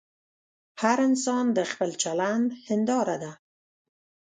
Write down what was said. هر انسان د خپل چلند هنداره ده.